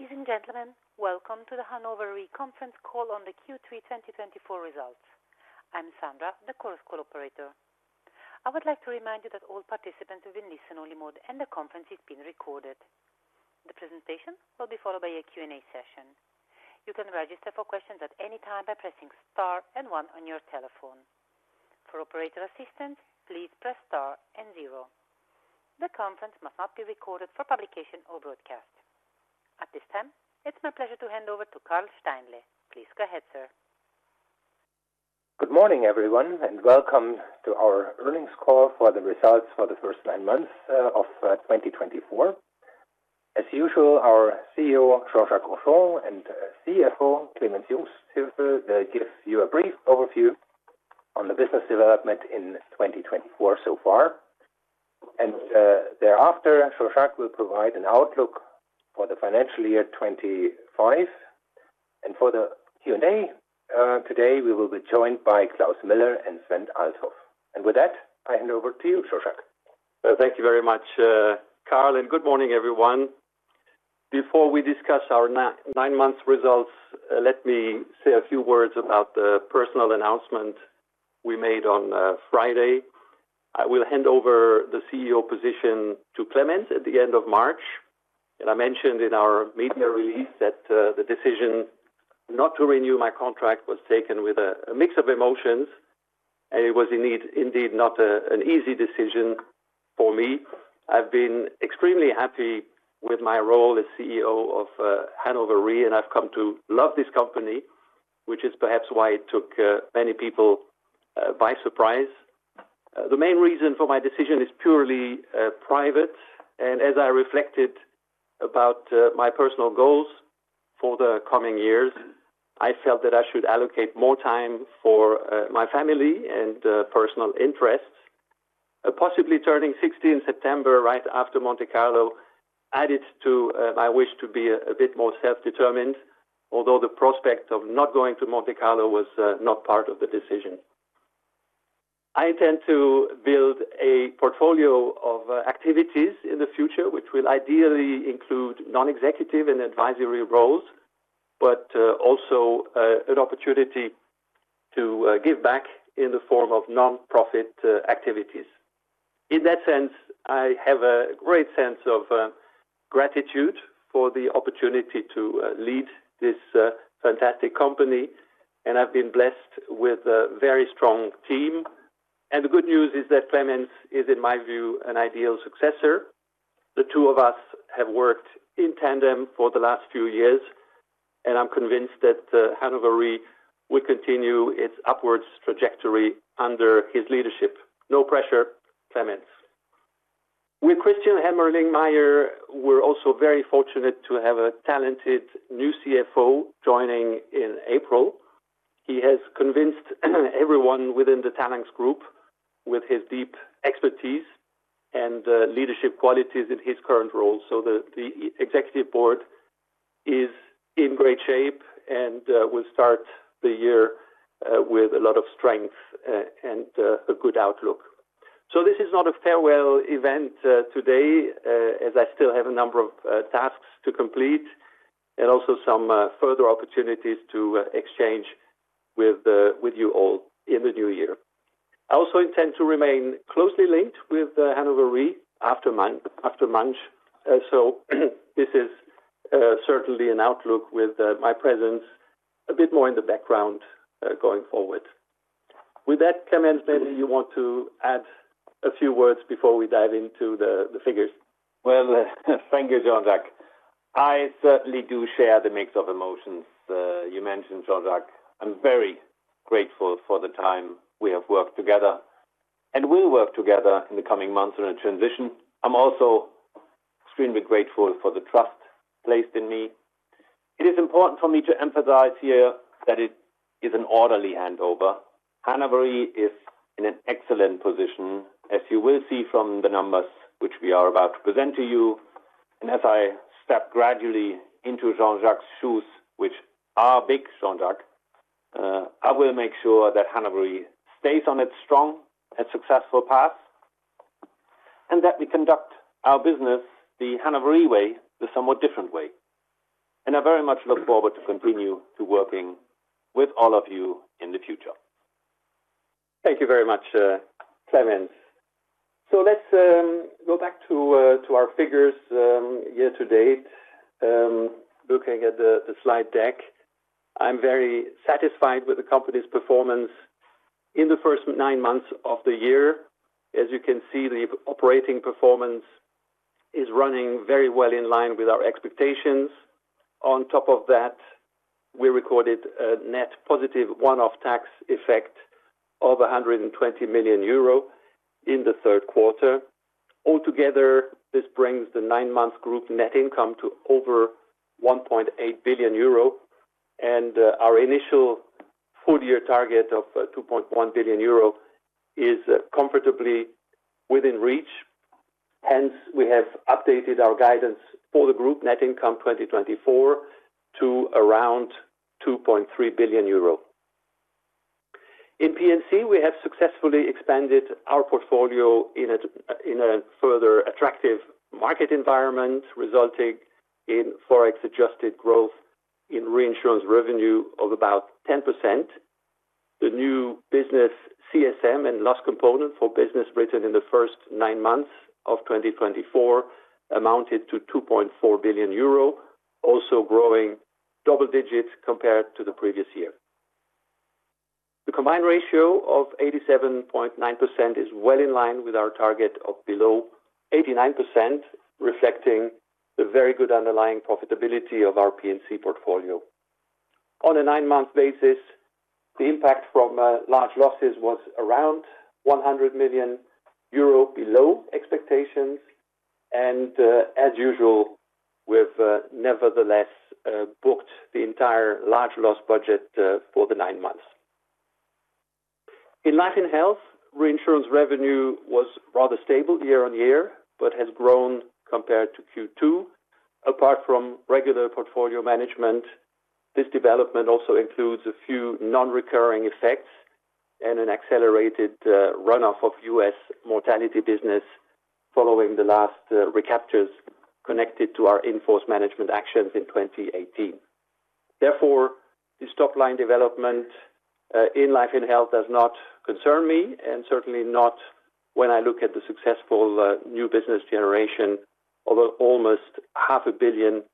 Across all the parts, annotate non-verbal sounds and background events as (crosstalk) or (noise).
Ladies and gentlemen, welcome to the Hannover Re Conference call on the Q3 2024 results. I'm Sandra, the Chorus Call operator. I would like to remind you that all participants will be in listen-only mode, and the conference is being recorded. The presentation will be followed by a Q&A session. You can register for questions at any time by pressing star and one on your telephone. For operator assistance, please press star and zero. The conference must not be recorded for publication or broadcast. At this time, it's my pleasure to hand over to Karl Steinle. Please go ahead, sir. Good morning, everyone, and welcome to our earnings call for the results for the first nine months of 2024. As usual, our CEO, Jean-Jacques Henchoz, and CFO, Clemens Jungsthöfel, give you a brief overview on the business development in 2024 so far. Thereafter, Jean-Jacques Henchoz will provide an outlook for the financial year 2025. For the Q&A today, we will be joined by Klaus Miller and Sven Althoff. With that, I hand over to you, Jean-Jacques Henchoz. Thank you very much, Karl. And good morning, everyone. Before we discuss our nine-month results, let me say a few words about the personal announcement we made on Friday. I will hand over the CEO position to Clemens at the end of March. And I mentioned in our media release that the decision not to renew my contract was taken with a mix of emotions, and it was indeed not an easy decision for me. I've been extremely happy with my role as CEO of Hannover Re, and I've come to love this company, which is perhaps why it took many people by surprise. The main reason for my decision is purely private. And as I reflected about my personal goals for the coming years, I felt that I should allocate more time for my family and personal interests. Possibly turning 60 in September, right after Monte Carlo, added to my wish to be a bit more self-determined, although the prospect of not going to Monte Carlo was not part of the decision. I intend to build a portfolio of activities in the future, which will ideally include non-executive and advisory roles, but also an opportunity to give back in the form of nonprofit activities. In that sense, I have a great sense of gratitude for the opportunity to lead this fantastic company, and I've been blessed with a very strong team, and the good news is that Clemens is, in my view, an ideal successor. The two of us have worked in tandem for the last few years, and I'm convinced that Hannover Re will continue its upwards trajectory under his leadership. No pressure, Clemens. With Christian Hermelingmeier, we're also very fortunate to have a talented new CFO joining in April. He has convinced everyone within the Talanx Group with his deep expertise and leadership qualities in his current role. So the executive board is in great shape and will start the year with a lot of strength and a good outlook. So this is not a farewell event today, as I still have a number of tasks to complete and also some further opportunities to exchange with you all in the new year. I also intend to remain closely linked with Hannover Re after lunch. So this is certainly an outlook with my presence a bit more in the background going forward. With that, Clemens, maybe you want to add a few words before we dive into the figures? Well, thank you, Jean-Jacques. I certainly do share the mix of emotions you mentioned, Jean-Jacques. I'm very grateful for the time we have worked together and will work together in the coming months on a transition. I'm also extremely grateful for the trust placed in me. It is important for me to emphasize here that it is an orderly handover. Hannover Re is in an excellent position, as you will see from the numbers which we are about to present to you. And as I step gradually into Jean-Jacques's shoes, which are big, Jean-Jacques, I will make sure that Hannover Re stays on its strong and successful path and that we conduct our business, the Hannover Re way, the somewhat different way. And I very much look forward to continuing to working with all of you in the future. Thank you very much, Clemens. Let's go back to our figures year to date. Looking at the slide deck, I'm very satisfied with the company's performance in the first nine months of the year. As you can see, the operating performance is running very well in line with our expectations. On top of that, we recorded a net positive one-off tax effect of 120 million euro in the third quarter. Altogether, this brings the nine-month group net income to over 1.8 billion euro. Our initial full-year target of 2.1 billion euro is comfortably within reach. Hence, we have updated our guidance for the group net income 2024 to around 2.3 billion euro. In P&C, we have successfully expanded our portfolio in a further attractive market environment, resulting in forex-adjusted growth in reinsurance revenue of about 10%. The new business CSM and loss component for business written in the first nine months of 2024 amounted to 2.4 billion euro, also growing double digits compared to the previous year. The combined ratio of 87.9% is well in line with our target of below 89%, reflecting the very good underlying profitability of our P&C portfolio. On a nine-month basis, the impact from large losses was around 100 million euro below expectations, and as usual, we have nevertheless booked the entire large loss budget for the nine months. In life and health, reinsurance revenue was rather stable year on year, but has grown compared to Q2. Apart from regular portfolio management, this development also includes a few non-recurring effects and an accelerated runoff of U.S. mortality business following the last recaptures connected to our in-force management actions in 2018. Therefore, the stock line development in life and health does not concern me, and certainly not when I look at the successful new business generation, although almost 500 million euro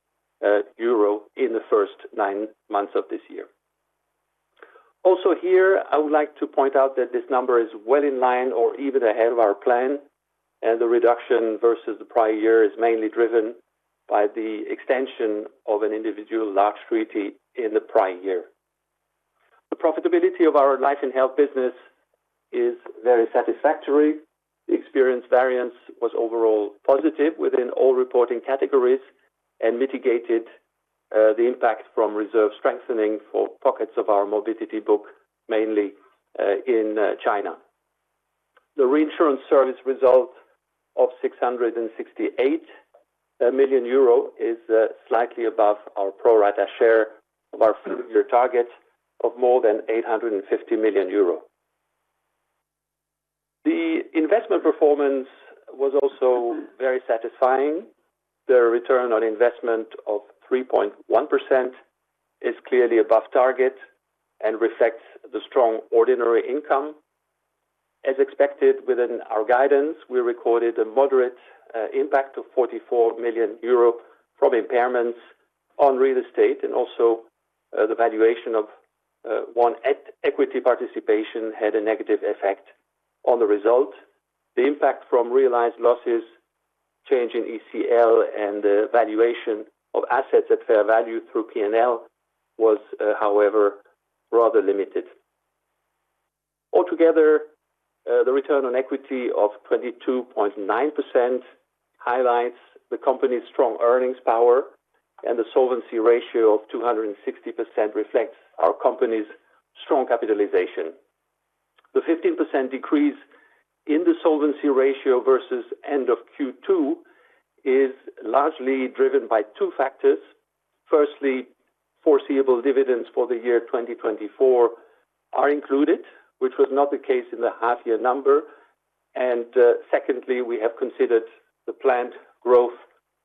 in the first nine months of this year. Also here, I would like to point out that this number is well in line or even ahead of our plan. And the reduction versus the prior year is mainly driven by the extension of an individual large treaty in the prior year. The profitability of our life and health business is very satisfactory. The experience variance was overall positive within all reporting categories and mitigated the impact from reserve strengthening for pockets of our morbidity book, mainly in China. The reinsurance service result of 668 million euro is slightly above our pro rata share of our full-year target of more than 850 million euro. The investment performance was also very satisfying. The return on investment of 3.1% is clearly above target and reflects the strong ordinary income. As expected within our guidance, we recorded a moderate impact of 44 million euro from impairments on real estate, and also the valuation of one equity participation had a negative effect on the result. The impact from realized losses, change in ECL, and the valuation of assets at fair value through P&L was, however, rather limited. Altogether, the return on equity of 22.9% highlights the company's strong earnings power, and the solvency ratio of 260% reflects our company's strong capitalization. The 15% decrease in the solvency ratio versus end of Q2 is largely driven by two factors. Firstly, foreseeable dividends for the year 2024 are included, which was not the case in the half-year number, and secondly, we have considered the planned growth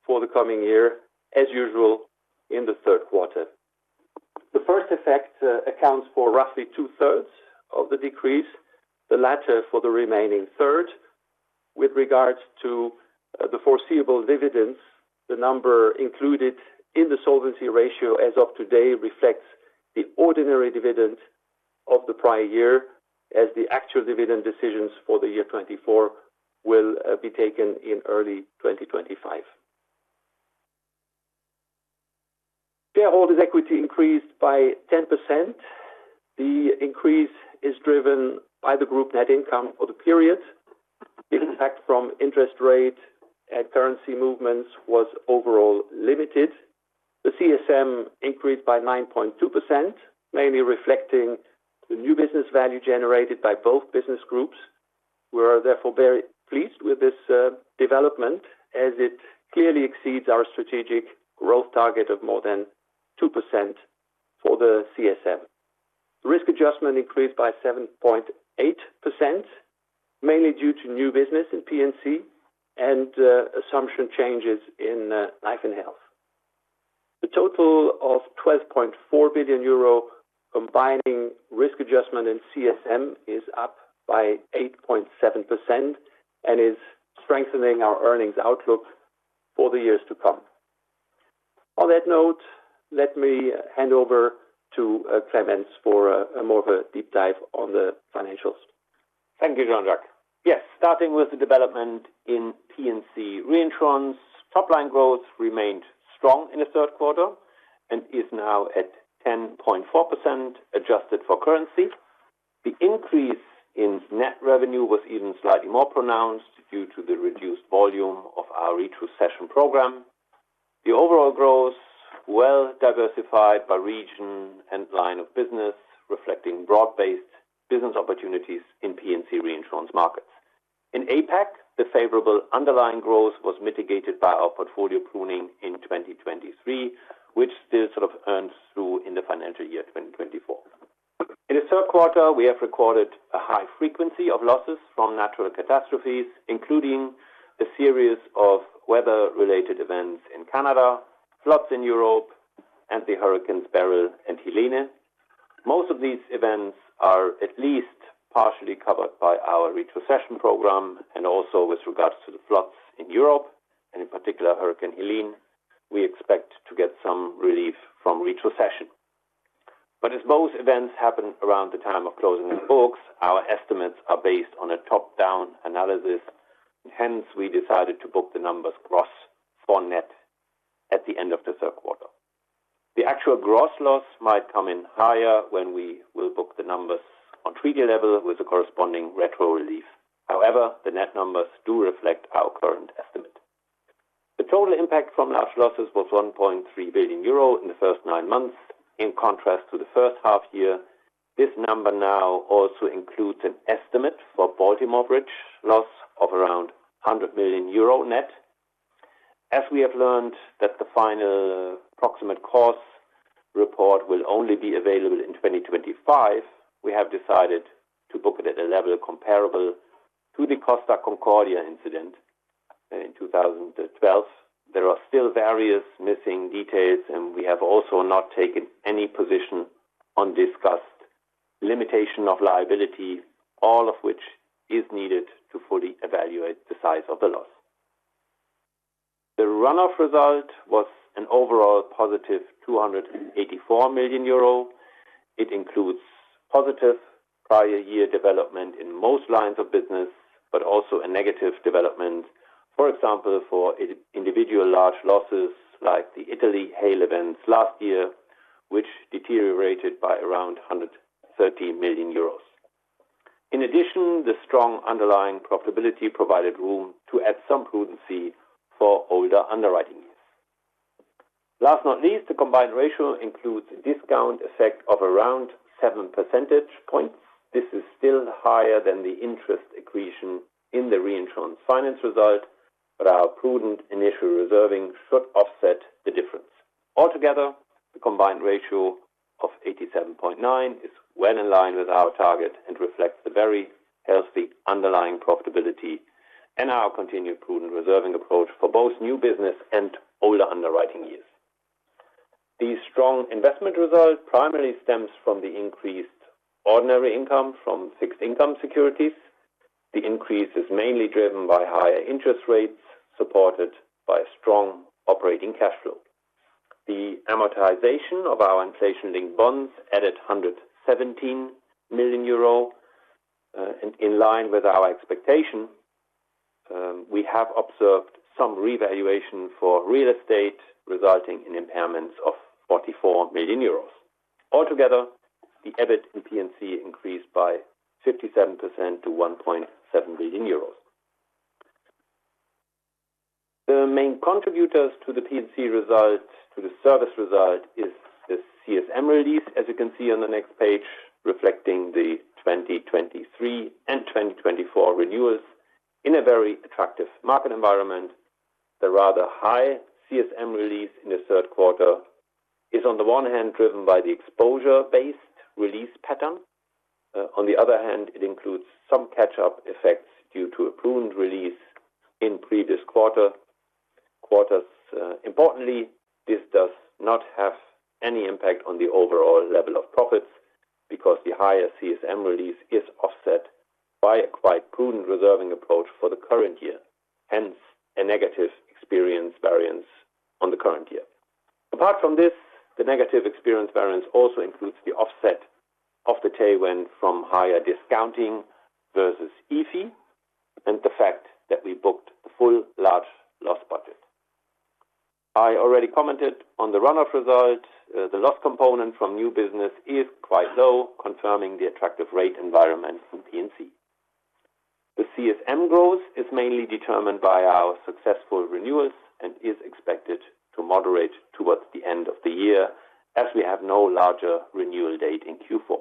for the coming year, as usual, in the third quarter. The first effect accounts for roughly two-thirds of the decrease, the latter for the remaining third. With regards to the foreseeable dividends, the number included in the solvency ratio as of today reflects the ordinary dividend of the prior year, as the actual dividend decisions for the year 2024 will be taken in early 2025. Shareholders' equity increased by 10%. The increase is driven by the group net income for the period. The impact from interest rate and currency movements was overall limited. The CSM increased by 9.2%, mainly reflecting the new business value generated by both business groups. We are therefore very pleased with this development, as it clearly exceeds our strategic growth target of more than 2% for the CSM. Risk adjustment increased by 7.8%, mainly due to new business in P&C and assumption changes in life and health. The total of €12.4 billion combining risk adjustment and CSM is up by 8.7% and is strengthening our earnings outlook for the years to come. On that note, let me hand over to Clemens for more of a deep dive on the financials. Thank you, Jean-Jacques. Yes, starting with the development in P&C reinsurance, top-line growth remained strong in the third quarter and is now at 10.4% adjusted for currency. The increase in net revenue was even slightly more pronounced due to the reduced volume of our retrocession program. The overall growth is well diversified by region and line of business, reflecting broad-based business opportunities in P&C reinsurance markets. In APAC, the favorable underlying growth was mitigated by our portfolio pruning in 2023, which still sort of earns through in the financial year 2024. In the third quarter, we have recorded a high frequency of losses from natural catastrophes, including a series of weather-related events in Canada, floods in Europe, and Hurricanes Beryl and Helene. Most of these events are at least partially covered by our retrocession program, and also, with regards to the floods in Europe, and in particular, Hurricane Helene, we expect to get some relief from retrocession, but as most events happen around the time of closing the books, our estimates are based on a top-down analysis. Hence, we decided to book the numbers gross for net at the end of the third quarter. The actual gross loss might come in higher when we will book the numbers on treaty level with the corresponding retro relief. However, the net numbers do reflect our current estimate. The total impact from large losses was 1.3 billion euro in the first nine months, in contrast to the first half year. This number now also includes an estimate for Baltimore Bridge loss of around 100 million euro net. As we have learned that the final proximate cause report will only be available in 2025, we have decided to book it at a level comparable to the Costa Concordia incident in 2012. There are still various missing details, and we have also not taken any position on discussed limitation of liability, all of which is needed to fully evaluate the size of the loss. The runoff result was an overall positive 284 million euro. It includes positive prior year development in most lines of business, but also a negative development, for example, for individual large losses like the Italy hail events last year, which deteriorated by around 130 million euros. In addition, the strong underlying profitability provided room to add some prudency for older underwriting years. Last but not least, the combined ratio includes a discount effect of around 7 percentage points. This is still higher than the interest accretion in the reinsurance finance result, but our prudent initial reserving should offset the difference. Altogether, the combined ratio of 87.9 is well in line with our target and reflects the very healthy underlying profitability and our continued prudent reserving approach for both new business and older underwriting years. The strong investment result primarily stems from the increased ordinary income from fixed income securities. The increase is mainly driven by higher interest rates supported by strong operating cash flow. The amortization of our inflation-linked bonds added 117 million euro. In line with our expectation, we have observed some revaluation for real estate, resulting in impairments of 44 million euros. Altogether, the EBIT in P&C increased by 57% to € 1.7 billion. The main contributors to the P&C result, to the service result, is the CSM release, as you can see on the next page, reflecting the 2023 and 2024 renewals in a very attractive market environment. The rather high CSM release in the third quarter is, on the one hand, driven by the exposure-based release pattern. On the other hand, it includes some catch-up effects due to a prudent release in previous quarters. Importantly, this does not have any impact on the overall level of profits because the higher CSM release is offset by a quite prudent reserving approach for the current year. Hence, a negative experience variance on the current year. Apart from this, the negative experience variance also includes the offset of the tailwind from higher discounting versus IFIE and the fact that we booked the full large loss budget. I already commented on the runoff result. The loss component from new business is quite low, confirming the attractive rate environment in P&C. The CSM growth is mainly determined by our successful renewals and is expected to moderate towards the end of the year, as we have no larger renewal date in Q4.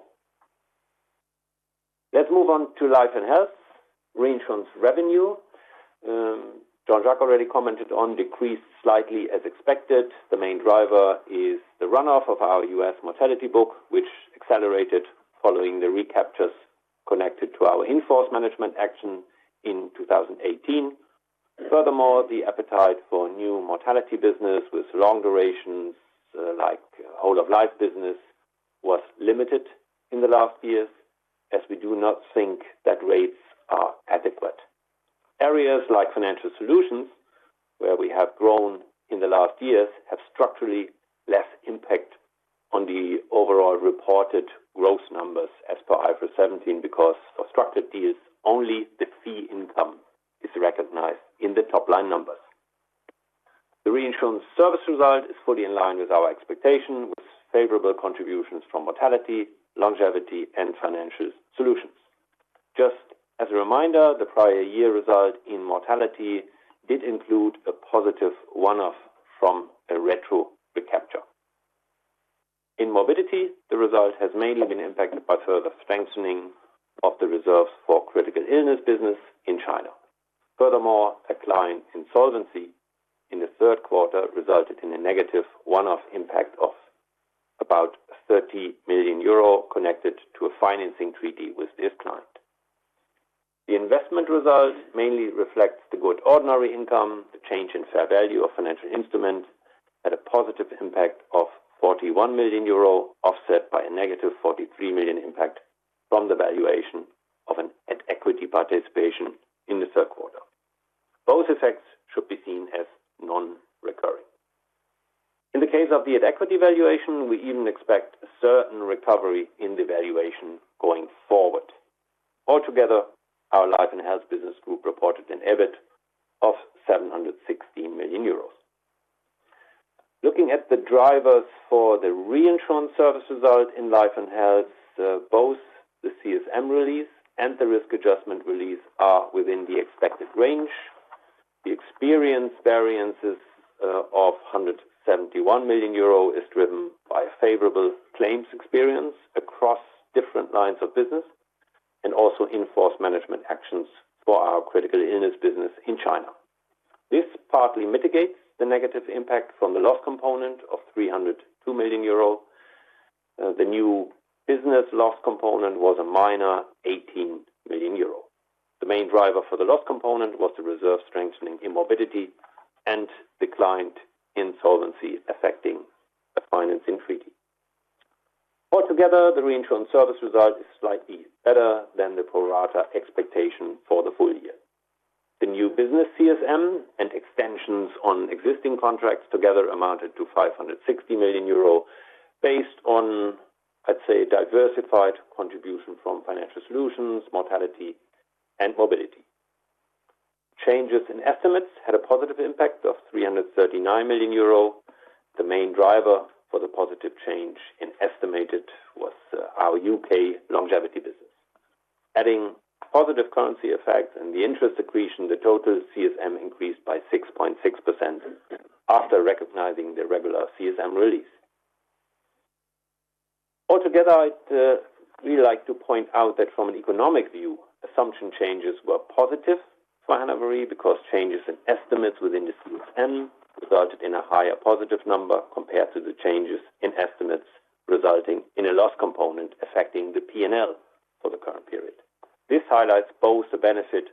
Let's move on to life and health reinsurance revenue. Jean-Jacques Henchoz already commented on decreased slightly, as expected. The main driver is the runoff of our U.S. mortality book, which accelerated following the recaptures connected to our enforced management action in 2018. Furthermore, the appetite for new mortality business with long durations, like whole-of-life business, was limited in the last years, as we do not think that rates are adequate. Areas like financial solutions, where we have grown in the last years, have structurally less impact on the overall reported growth numbers as per IFRS 17 because for structured deals, only the fee income is recognized in the top-line numbers. The reinsurance service result is fully in line with our expectation, with favorable contributions from mortality, longevity, and financial solutions. Just as a reminder, the prior year result in mortality did include a positive one-off from a retro recapture. In morbidity, the result has mainly been impacted by further strengthening of the reserves for critical illness business in China. Furthermore, a client insolvency in the third quarter resulted in a negative one-off impact of about 30 million euro connected to a financing treaty with this client. The investment result mainly reflects the good ordinary income, the change in fair value of financial instruments, and a positive impact of 41 million euro offset by a negative 43 million impact from the valuation of an equity participation in the third quarter. Both effects should be seen as non-recurring. In the case of the equity valuation, we even expect a certain recovery in the valuation going forward. Altogether, our life and health business group reported an EBIT of 716 million euros. Looking at the drivers for the reinsurance service result in life and health, both the CSM release and the risk adjustment release are within the expected range. The experience variances of 171 million euro is driven by favorable claims experience across different lines of business and also enforced management actions for our critical illness business in China. This partly mitigates the negative impact from the loss component of 302 million euro. The new business loss component was a minor 18 million euro. The main driver for the loss component was the reserve strengthening in morbidity and declined insolvency affecting the financing treaty. Altogether, the reinsurance service result is slightly better than the pro rata expectation for the full year. The new business CSM and extensions on existing contracts together amounted to 560 million euro, based on, I'd say, diversified contribution from financial solutions, mortality, and morbidity. Changes in estimates had a positive impact of 339 million euro. The main driver for the positive change in estimates was our U.K. longevity business. Adding positive currency effects and the interest accretion, the total CSM increased by 6.6% after recognizing the regular CSM release. Altogether, I'd really like to point out that from an economic view, assumption changes were positive for Hannover Re because changes in estimates within the CSM resulted in a higher positive number compared to the changes in estimates resulting in a loss component affecting the P&L for the current period. This highlights both the benefit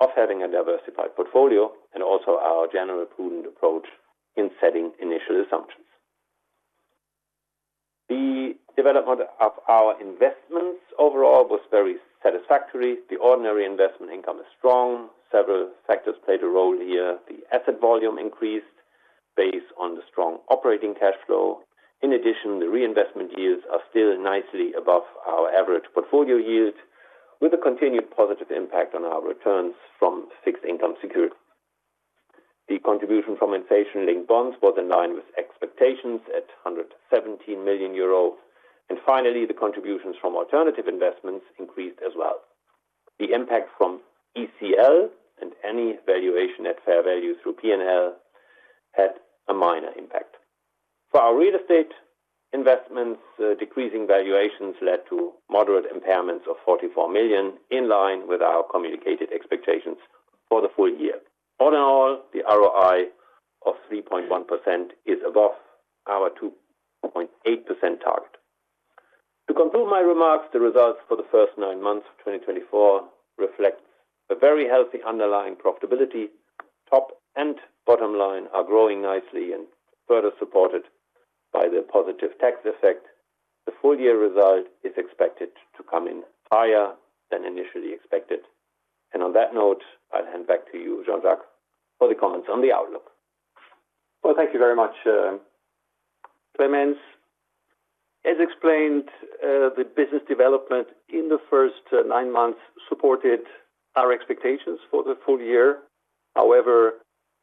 of having a diversified portfolio and also our general prudent approach in setting initial assumptions. The development of our investments overall was very satisfactory. The ordinary investment income is strong. Several factors played a role here. The asset volume increased based on the strong operating cash flow. In addition, the reinvestment yields are still nicely above our average portfolio yield, with a continued positive impact on our returns from fixed income securities. The contribution from inflation-linked bonds was in line with expectations at 117 million euros. And finally, the contributions from alternative investments increased as well. The impact from ECL and any valuation at fair value through P&L had a minor impact. For our real estate investments, decreasing valuations led to moderate impairments of 44 million, in line with our communicated expectations for the full year. All in all, the ROI of 3.1% is above our 2.8% target. To conclude my remarks, the results for the first nine months of 2024 reflect a very healthy underlying profitability. Top and bottom line are growing nicely and further supported by the positive tax effect. The full year result is expected to come in higher than initially expected. And on that note, I'll hand back to you, Jean-Jacques Henchoz, for the comments on the outlook. Well, thank you very much, Clemens. As explained, the business development in the first nine months supported our expectations for the full year. However,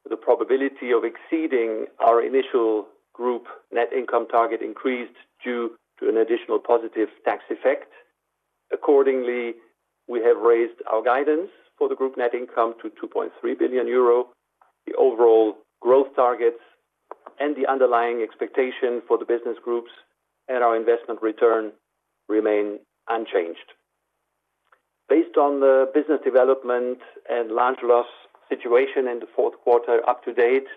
the probability of exceeding our initial group net income target increased due to an additional positive tax effect. Accordingly, we have raised our guidance for the group net income to 2.3 billion euro. The overall growth targets and the underlying expectation for the business groups and our investment return remain unchanged. Based on the business development and large loss situation in the fourth quarter up to date,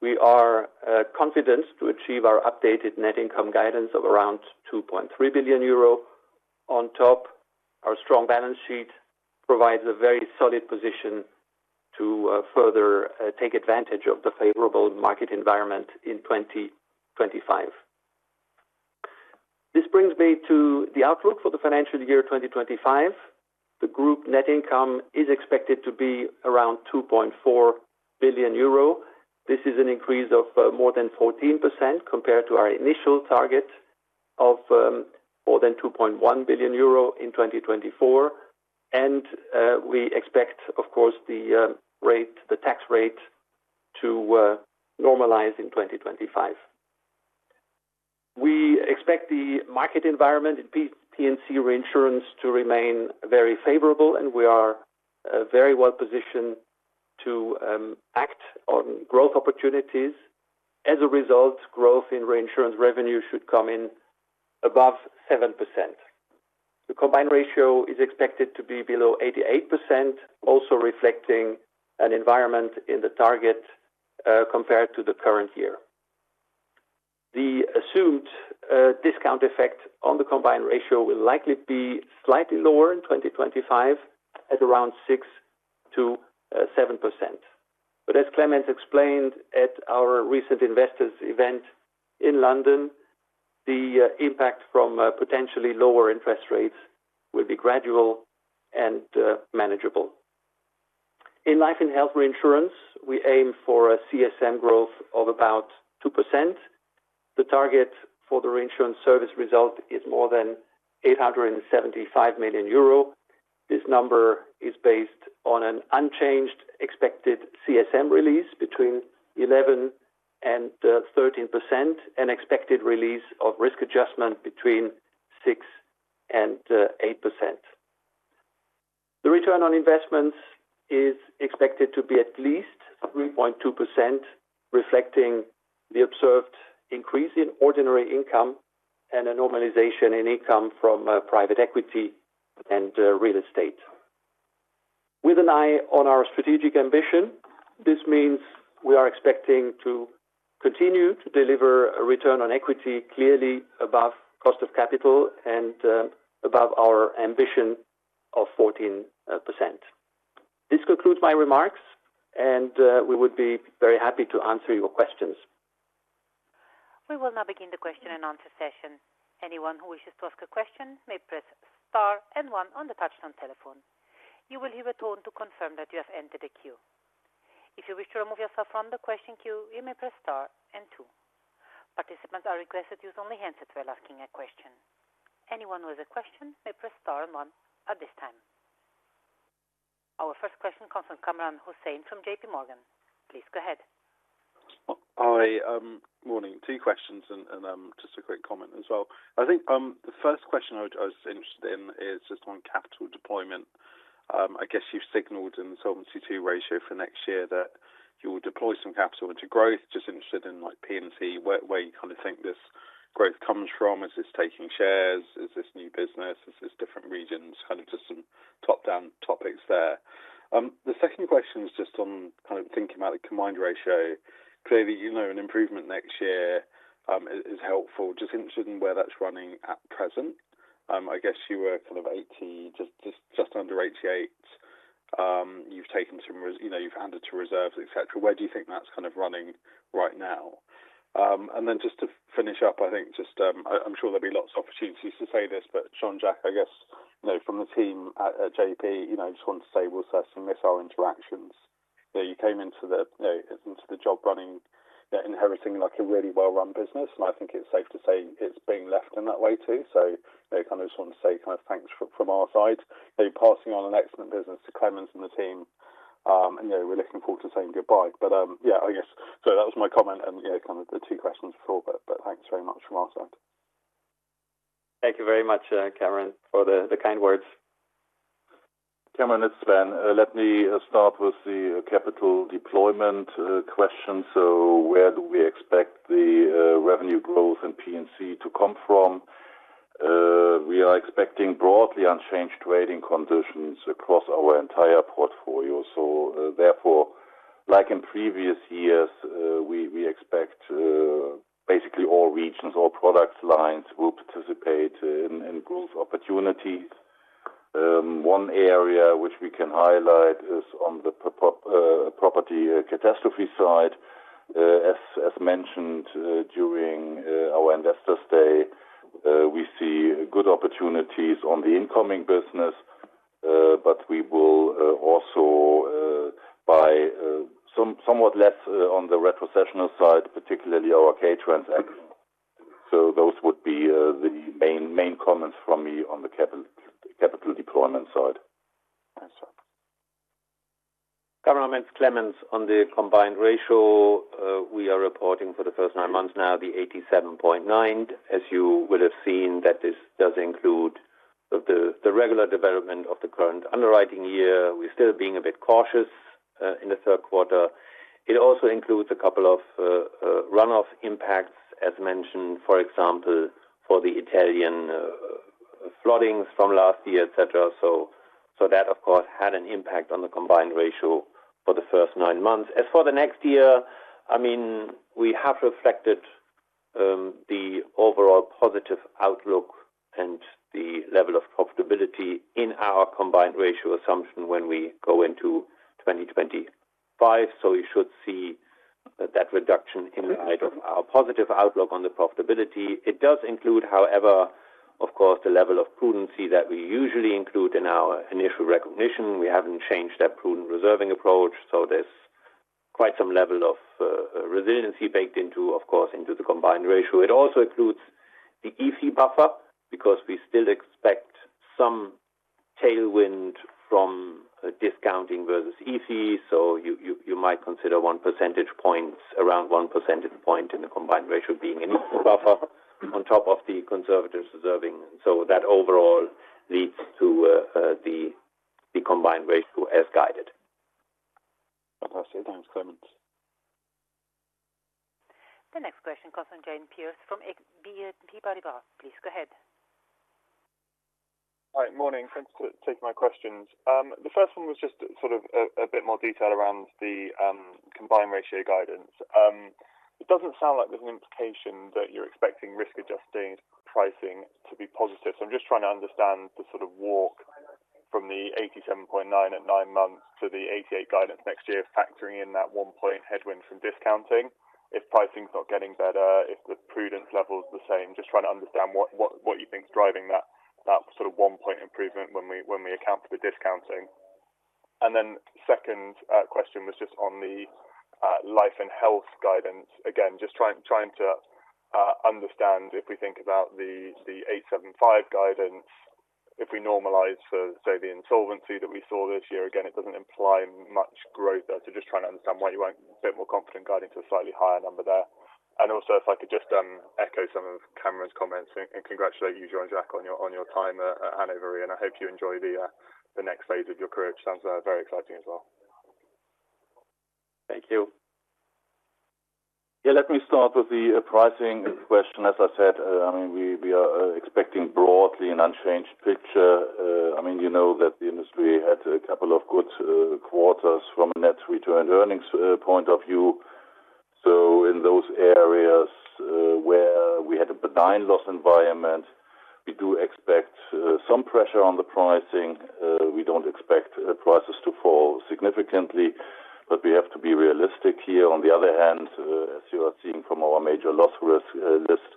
we are confident to achieve our updated net income guidance of around 2.3 billion euro. On top, our strong balance sheet provides a very solid position to further take advantage of the favorable market environment in 2025. This brings me to the outlook for the financial year 2025. The group net income is expected to be around 2.4 billion euro. This is an increase of more than 14% compared to our initial target of more than 2.1 billion euro in 2024, and we expect, of course, the tax rate to normalize in 2025. We expect the market environment in P&C reinsurance to remain very favorable, and we are very well positioned to act on growth opportunities. As a result, growth in reinsurance revenue should come in above 7%. The combined ratio is expected to be below 88%, also reflecting an environment in the target compared to the current year. The assumed discount effect on the combined ratio will likely be slightly lower in 2025 at around 6%-7%, but as Clemens explained at our recent investors' event in London, the impact from potentially lower interest rates will be gradual and manageable. In life and health reinsurance, we aim for a CSM growth of about 2%. The target for the reinsurance service result is more than 875 million euro. This number is based on an unchanged expected CSM release between 11% and 13% and expected release of risk adjustment between 6% and 8%. The return on investments is expected to be at least 3.2%, reflecting the observed increase in ordinary income and a normalization in income from private equity and real estate. With an eye on our strategic ambition, this means we are expecting to continue to deliver a return on equity clearly above cost of capital and above our ambition of 14%. This concludes my remarks, and we would be very happy to answer your questions. We will now begin the question and answer session. Anyone who wishes to ask a question may press Star and 1 on the touch-tone telephone. You will hear a tone to confirm that you have entered the queue. If you wish to remove yourself from the question queue, you may press Star and 2. Participants are requested to use only hands while asking a question. Anyone who has a question may press Star and 1 at this time. Our first question comes from Kamran Hossain from J.P. Morgan. Please go ahead. Hi, good morning. Two questions and just a quick comment as well. I think the first question I was interested in is just on capital deployment. I guess you've signaled in the Solvency II ratio for next year that you will deploy some capital into growth. Just interested in P&C, where you kind of think this growth comes from? Is this taking shares? Is this new business? Is this different regions? Kind of just some top-down topics there. The second question is just on kind of thinking about the combined ratio. Clearly, an improvement next year is helpful. Just interested in where that's running at present. I guess you were kind of 80, just under 88. You've taken some reserves, you've added to reserves, etc. Where do you think that's kind of running right now? And then just to finish up, I think just I'm sure there'll be lots of opportunities to say this, but Jean-Jacques, I guess from the team at J.P. Morgan, I just want to say we'll certainly miss our interactions. You came into the job running, inheriting a really well-run business, and I think it's safe to say it's being left in that way too. So I kind of just want to say kind of thanks from our side. Passing on an excellent business to Clemens and the team, and we're looking forward to saying goodbye. But yeah, I guess so that was my comment and kind of the two questions before, but thanks very much from our side. Thank you very much, Kamran, for the kind words. Kamran, it's Sven. Let me start with the capital deployment question. So where do we expect the revenue growth in P&C to come from? We are expecting broadly unchanged trading conditions across our entire portfolio. So therefore, like in previous years, we expect basically all regions, all product lines will participate in growth opportunities. One area which we can highlight is on the property catastrophe side. As mentioned during our investors' day, we see good opportunities on the incoming business, but we will also buy somewhat less on the retrocessional side, particularly our K-Cession. So those would be the main comments from me on the capital deployment side. Kamran, it's Clemens on the combined ratio. We are reporting for the first nine months now the 87.9%, as you will have seen that this does include the regular development of the current underwriting year. We're still being a bit cautious in the third quarter. It also includes a couple of runoff impacts, as mentioned, for example, for the Italian floodings from last year, etc. So that, of course, had an impact on the combined ratio for the first nine months. As for the next year, I mean, we have reflected the overall positive outlook and the level of profitability in our combined ratio assumption when we go into 2025, so we should see that reduction in light of our positive outlook on the profitability. It does include, however, of course, the level of prudence that we usually include in our initial recognition. We haven't changed that prudent reserving approach. So there's quite some level of resiliency baked into, of course, into the combined ratio. It also includes the ECL buffer because we still expect some tailwind from discounting versus ECL. So you might consider one percentage point, around one percentage point in the combined ratio being an ECL buffer on top of the conservative reserving. So that overall leads to the combined ratio as guided. Fantastic. Thanks, Clemens. The next question comes from Iain Pearce from BNP Paribas. Please go ahead. Hi, morning. Thanks for taking my questions. The first one was just sort of a bit more detail around the combined ratio guidance. It doesn't sound like there's an implication that you're expecting risk-adjusted pricing to be positive. So I'm just trying to understand the sort of walk from the 87.9 at nine months to the 88 guidance next year, factoring in that one-point headwind from discounting. If pricing's not getting better, if the prudence level's the same, just trying to understand what you think's driving that sort of one-point improvement when we account for the discounting. And then second question was just on the life and health guidance. Again, just trying to understand if we think about the 875 guidance, if we normalize for, say, the insolvency that we saw this year. Again, it doesn't imply much growth. So just trying to understand why you weren't a bit more confident guiding to a slightly higher number there. And also, if I could just echo some of Kamran's comments and congratulate you, Jean-Jacques Henchoz, on your time at Hannover Re. And I hope you enjoy the next phase of your career, which sounds very exciting as well. Thank you. Yeah, let me start with the pricing question. As I said, I mean, we are expecting broadly an unchanged picture. I mean, you know that the industry had a couple of good quarters from a net return to earnings point of view. So in those areas where we had a benign loss environment, we do expect some pressure on the pricing. We don't expect prices to fall significantly, but we have to be realistic here. On the other hand, as you are seeing from our major loss risk list,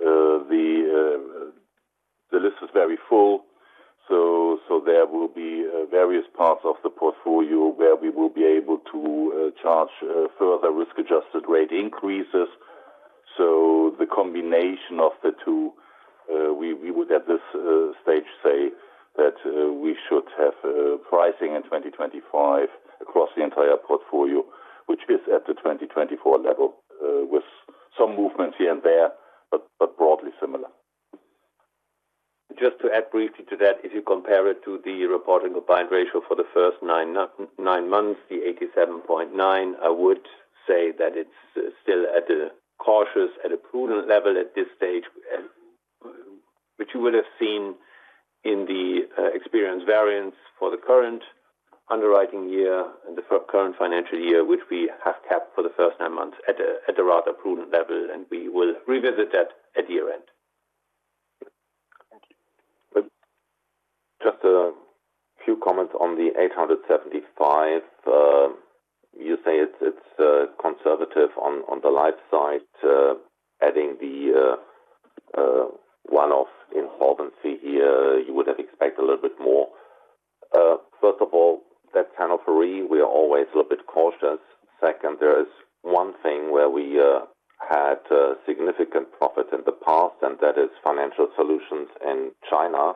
the list is very full. So there will be various parts of the portfolio where we will be able to charge further risk-adjusted rate increases. So the combination of the two, we would at this stage say that we should have pricing in 2025 across the entire portfolio, which is at the 2024 level with some movements here and there, but broadly similar. Just to add briefly to that, if you compare it to the reporting combined ratio for the first nine months, the 87.9%, I would say that it's still at a cautious, at a prudent level at this stage, which you will have seen in the experience variance for the current underwriting year and the current financial year, which we have kept for the first nine months at a rather prudent level. And we will revisit that at year end. Just a few comments on the 87.5%. You say it's conservative on the life side, adding the one-off insolvency here. You would have expected a little bit more. First of all, that's Hannover Re. We are always a little bit cautious. Second, there is one thing where we had significant profit in the past, and that is Financial Solutions in China.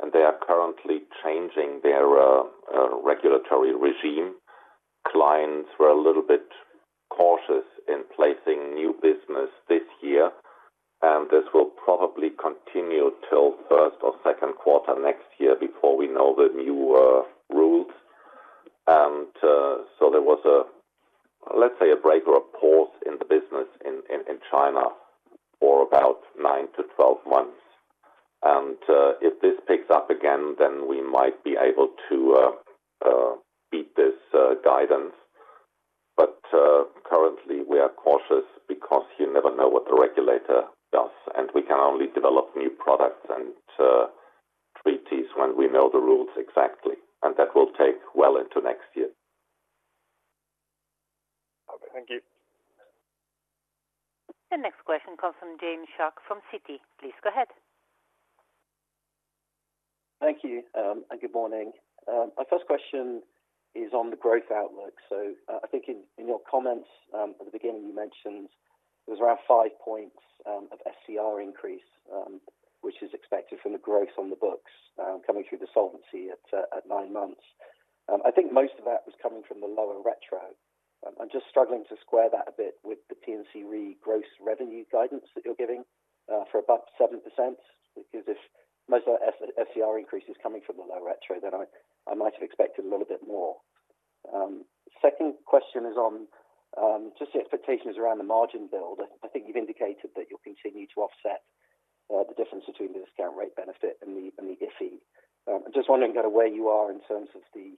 And they are currently changing their regulatory regime. Clients were a little bit cautious in placing new business this year. This will probably continue till first or second quarter next year before we know the new rules. So there was, let's say, a break or a pause in the business in China for about nine to 12 months. If this picks up again, then we might be able to beat this guidance. Currently, we are cautious because you never know what the regulator does, and we can only develop new products and treaties when we know the rules exactly. That will take well into next year. Okay. Thank you. The next question comes from James Shuck from Citi. Please go ahead. Thank you. Good morning. My first question is on the growth outlook. So I think in your comments at the beginning, you mentioned there was around five points of SCR increase, which is expected from the growth on the books coming through the solvency at nine months. I think most of that was coming from the lower retro. I'm just struggling to square that a bit with the P&C Re gross revenue guidance that you're giving for above 7%. Because if most of that SCR increase is coming from the low retro, then I might have expected a little bit more. Second question is on just the expectations around the margin build. I think you've indicated that you'll continue to offset the difference between the discount rate benefit and the IFI. I'm just wondering kind of where you are in terms of the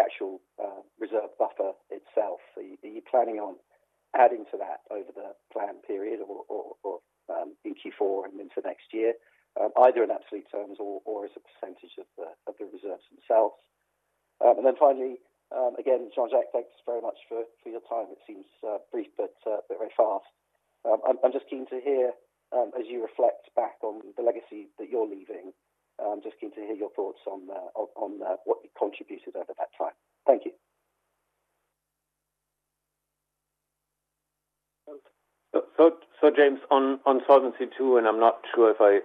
actual reserve buffer itself. Are you planning on adding to that over the planned period or in Q4 and into next year, either in absolute terms or as a percentage of the reserves themselves? And then finally, again, Jean-Jacques, thanks very much for your time. It seems brief, but very fast. I'm just keen to hear as you reflect back on the legacy that you're leaving. I'm just keen to hear your thoughts on what you contributed over that time. Thank you. So James, on Solvency II, and I'm not sure if I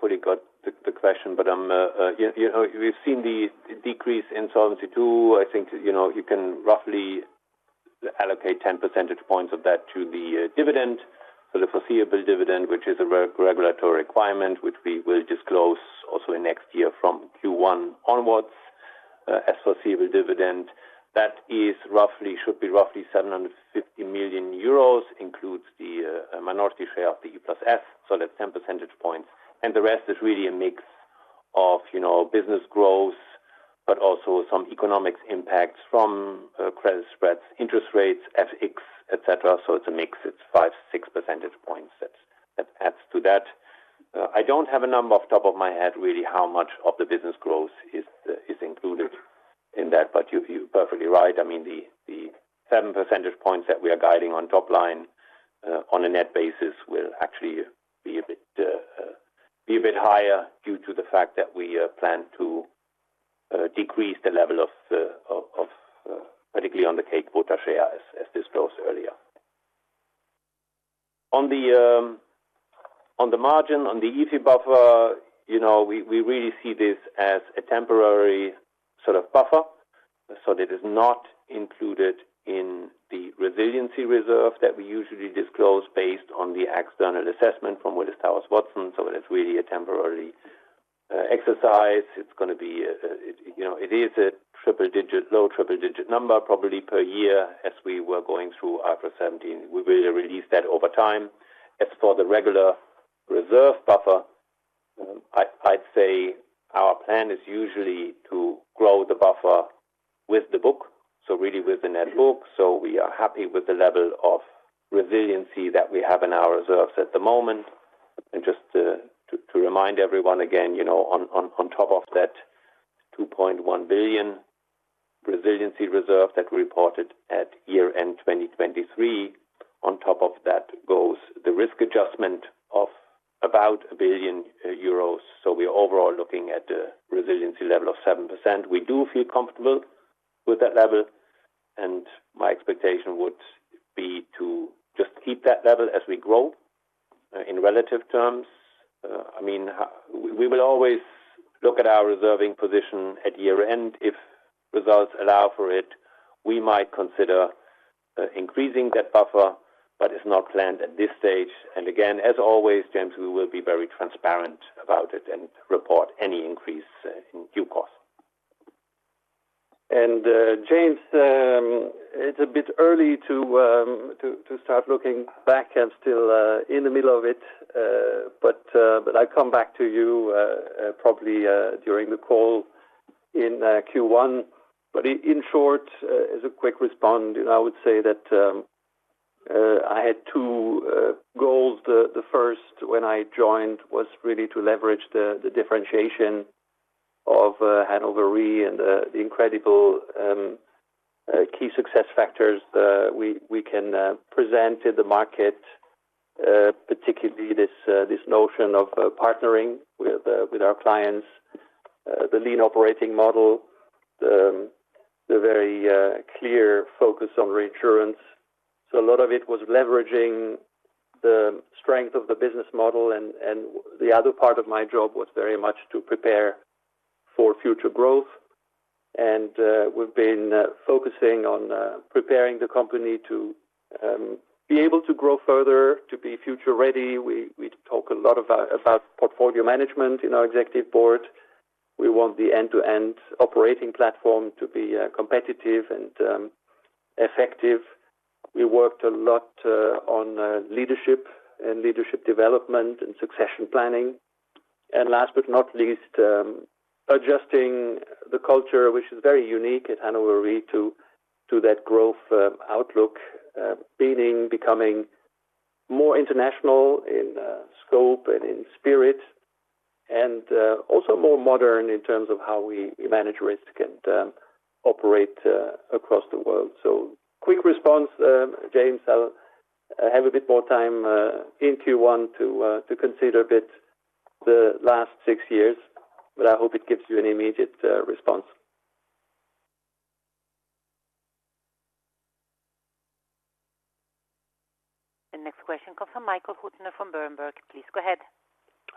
fully got the question, but we've seen the decrease in Solvency II. I think you can roughly allocate 10 percentage points of that to the dividend, the foreseeable dividend, which is a regulatory requirement, which we will disclose also in next year from Q1 onwards as foreseeable dividend. That should be roughly 750 million euros, includes the minority share of the E plus F. So that's 10 percentage points. And the rest is really a mix of business growth, but also some economic impacts from credit spreads, interest rates, FX, etc. So it's a mix. It's five, six percentage points that adds to that. I don't have a number off the top of my head, really, how much of the business growth is included in that, but you're perfectly right. I mean, the seven percentage points that we are guiding on top line on a net basis will actually be a bit higher due to the fact that we plan to decrease the level of, particularly on the K-Cession, as disclosed earlier. On the margin, on the E plus F buffer, we really see this as a temporary sort of buffer. So it is not included in the resiliency reserve that we usually disclose based on the external assessment from Willis Towers Watson. So it's really a temporary exercise. It's going to be a triple-digit, low triple-digit number, probably per year as we were going through IFRS 17. We will release that over time. As for the regular reserve buffer, I'd say our plan is usually to grow the buffer with the book, so really with the net book. So we are happy with the level of resiliency that we have in our reserves at the moment. And just to remind everyone again, on top of that 2.1 billion resiliency reserve that we reported at year-end 2023, on top of that goes the risk adjustment of about 1 billion euros. So we are overall looking at a resiliency level of 7%. We do feel comfortable with that level. And my expectation would be to just keep that level as we grow in relative terms. I mean, we will always look at our reserving position at year end. If results allow for it, we might consider increasing that buffer, but it's not planned at this stage. And again, as always, James, we will be very transparent about it and report any increase in due course. And James, it's a bit early to start looking back. I'm still in the middle of it, but I'll come back to you probably during the call in Q1. But in short, as a quick response, I would say that I had two goals. The first, when I joined, was really to leverage the differentiation of Hannover Re and the incredible key success factors we can present in the market, particularly this notion of partnering with our clients, the lean operating model, the very clear focus on reinsurance. So a lot of it was leveraging the strength of the business model. And the other part of my job was very much to prepare for future growth. And we've been focusing on preparing the company to be able to grow further, to be future-ready. We talk a lot about portfolio management in our Executive Board. We want the end-to-end operating platform to be competitive and effective. We worked a lot on leadership and leadership development and succession planning. And last but not least, adjusting the culture, which is very unique at Hannover Re, to that growth outlook, meaning becoming more international in scope and in spirit, and also more modern in terms of how we manage risk and operate across the world. So quick response, James, I'll have a bit more time in Q1 to consider a bit the last six years, but I hope it gives you an immediate response. The next question comes from Michael Huttner from Berenberg. Please go ahead.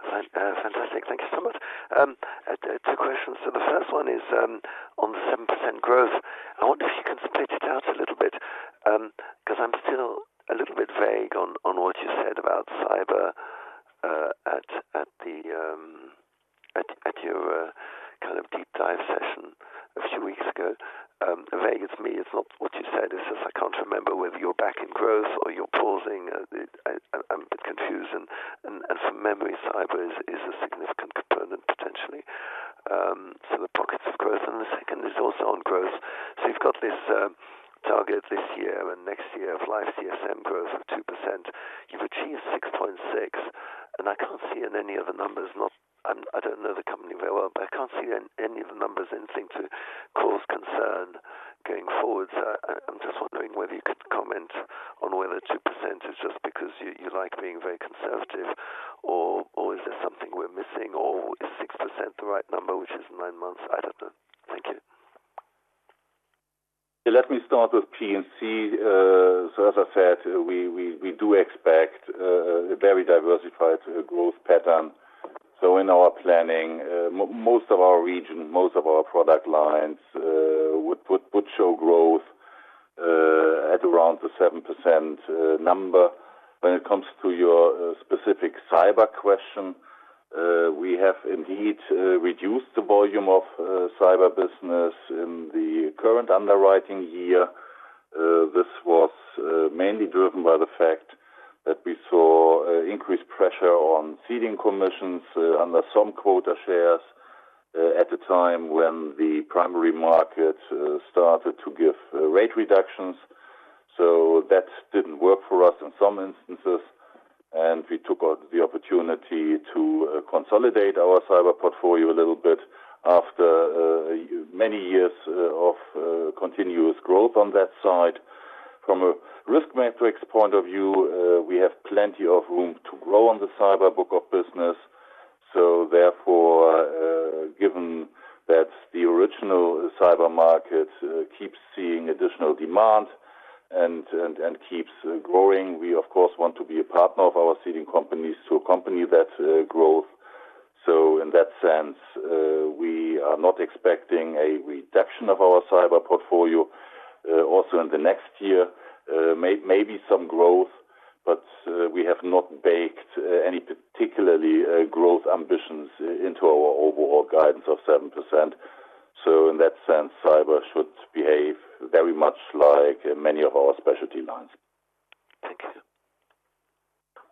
Fantastic. Thank you so much. Two questions. So the first one is on 7% growth. I wonder if you can split it out a little bit because I'm still a little bit vague on what you said about cyber at your kind of deep dive session a few weeks ago. Vague is me. It's not what you said. It's just, I can't remember whether you're back in growth or you're pausing. I'm a bit confused. And from memory, cyber is a significant component, potentially. So the pockets of growth. And the second is also on growth. So you've got this target this year and next year of life CSM growth of 2%. You've achieved 6.6%. And I can't see in any of the numbers. I don't know the company very well, but I can't see in any of the numbers anything to cause concern going forward. So I'm just wondering whether you could comment on whether 2% is just because you like being very conservative, or is there something we're missing, or is 6% the right number, which is nine months? I don't know. Thank you. Let me start with P&C. So as I said, we do expect a very diversified growth pattern. So in our planning, most of our region, most of our product lines would show growth at around the 7%. When it comes to your specific cyber question, we have indeed reduced the volume of cyber business in the current underwriting year. This was mainly driven by the fact that we saw increased pressure on ceding commissions under some quota shares at a time when the primary market started to give rate reductions. So that didn't work for us in some instances. And we took the opportunity to consolidate our cyber portfolio a little bit after many years of continuous growth on that side. From a risk matrix point of view, we have plenty of room to grow on the cyber book of business. So therefore, given that the original cyber market keeps seeing additional demand and keeps growing, we, of course, want to be a partner of our ceding companies to accompany that growth. So in that sense, we are not expecting a reduction of our cyber portfolio also in the next year. Maybe some growth, but we have not baked any particular growth ambitions into our overall guidance of 7%. So in that sense, cyber should behave very much like many of our specialty lines. Thank you.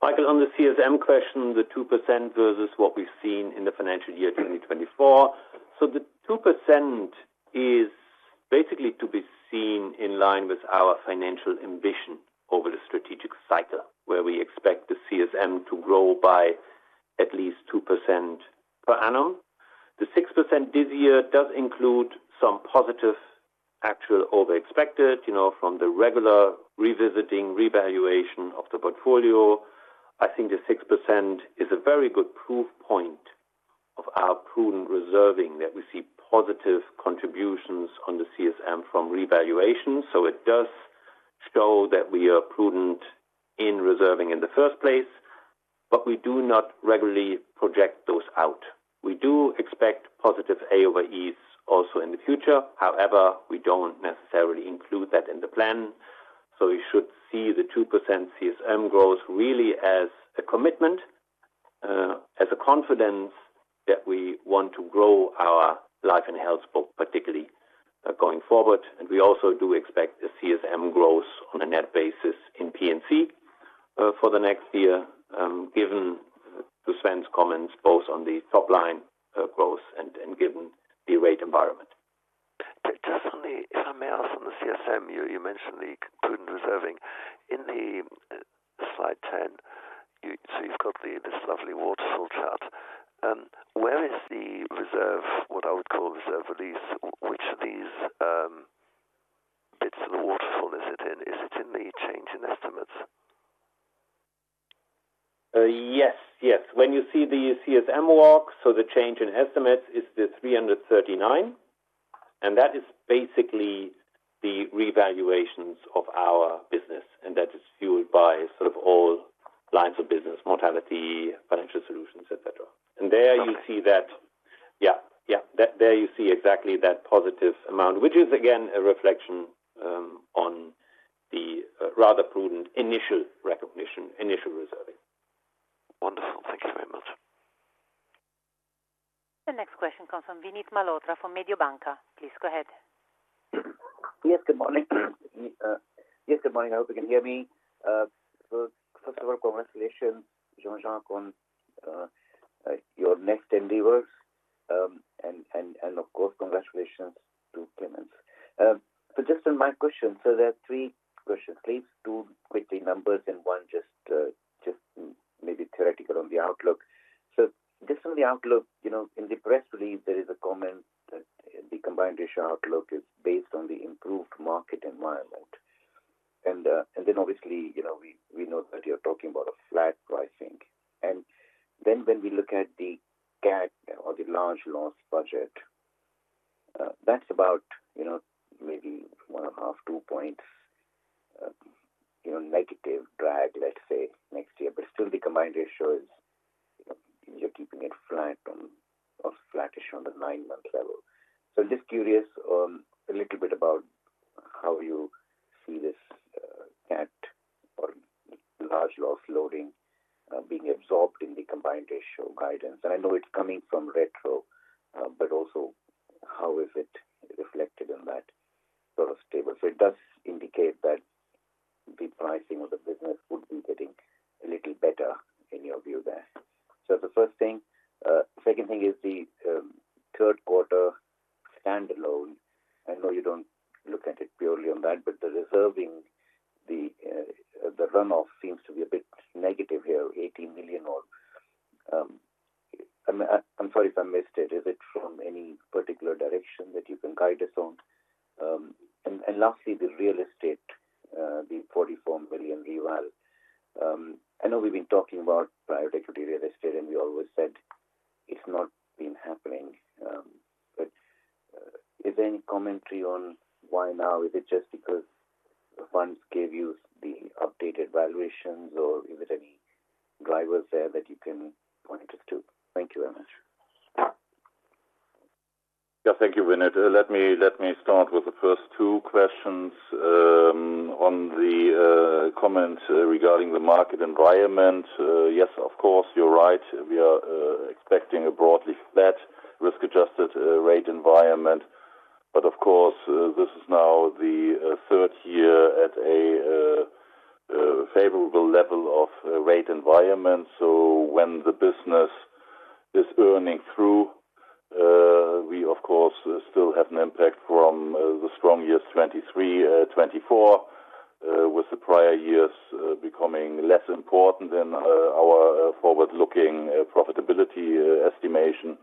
Michael, on the CSM question, the 2% versus what we've seen in the financial year 2024. So the 2% is basically to be seen in line with our financial ambition over the strategic cycle, where we expect the CSM to grow by at least 2% per annum. The 6% this year does include some positive actual over-expected from the regular revisiting, revaluation of the portfolio. I think the 6% is a very good proof point of our prudent reserving that we see positive contributions on the CSM from revaluation. So it does show that we are prudent in reserving in the first place, but we do not regularly project those out. We do expect positive A over E's also in the future. However, we don't necessarily include that in the plan. So we should see the 2% CSM growth really as a commitment, as a confidence that we want to grow our life and health book, particularly going forward. And we also do expect a CSM growth on a net basis in P&C for the next year, given Sven's comments both on the top line growth and given the rate environment. Just if I may ask on the CSM, you mentioned the prudent reserving. In the slide 10, so you've got this lovely waterfall chart. Where is the reserve, what I would call reserve release? Which of these bits of the waterfall is it in? Is it in the change in estimates? Yes. Yes. When you see the CSM walk, so the change in estimates is the 339. And that is basically the revaluations of our business. And that is fueled by sort of all lines of business, mortality, financial solutions, etc. And there you see that. Yeah. Yeah. There you see exactly that positive amount, which is, again, a reflection on the rather prudent initial recognition, initial reserving. Wonderful. Thank you very much. The next question comes from Vinit Malhotra from Mediobanca. Please go ahead. Yes. Good morning. Yes. Good morning. I hope you can hear me. First of all, congratulations, Jean-Jacques, on your next endeavors. And of course, congratulations to Clemens. So just on my question, so there are three questions. Please do quickly numbers and one just maybe theoretical on the outlook. So just on the outlook, in the press release, there is a comment that the combined ratio outlook is based on the improved market environment. And then obviously, we know that you're talking about a flat pricing. And then when we look at the Cat or the large loss budget, that's about maybe one and a half, two points negative drag, let's say, next year. But still, the combined ratio is you're keeping it flat or flattish on the nine-month level. So just curious a little bit about how you see this Cat or large loss loading being absorbed in the combined ratio guidance. And I know it's coming from retro, but also how is it reflected in that sort of table? So it does indicate that the pricing of the business would be getting a little better in your view there. So that's the first thing. Second thing is the third quarter standalone. I know you don't look at it purely on that, but the reserving, the runoff seems to be a bit negative here, 18 million or I'm sorry if I missed it. Is it from any particular direction that you can guide us on? And lastly, the real estate, the 44 million reval. I know we've been talking about private equity real estate, and we always said it's not been happening. But is there any commentary on why now? Is it just because funds gave you the updated valuations, or is it any drivers there that you can point us to? Thank you very much. Yeah. Thank you, Vinit. Let me start with the first two questions on the comments regarding the market environment. Yes, of course, you're right. We are expecting a broadly flat risk-adjusted rate environment. But of course, this is now the third year at a favorable level of rate environment. So when the business is earning through, we, of course, still have an impact from the strong years 2023, 2024, with the prior years becoming less important than our forward-looking profitability estimation.